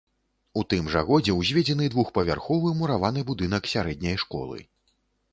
У тым жа годзе ўзведзены двухпавярховы мураваны будынак сярэдняй школы.